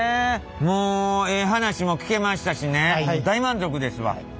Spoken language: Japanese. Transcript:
もうええ話も聞けましたしね大満足ですわ。